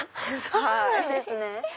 そうなんですね！